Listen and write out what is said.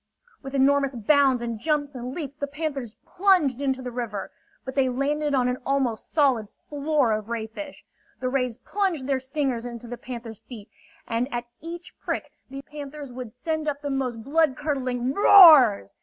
With enormous bounds and jumps and leaps, the panthers plunged into the river. But they landed on an almost solid floor of ray fish. The rays plunged their stingers into the panthers' feet, and at each prick the panthers would send up the most bloodcurdling roars.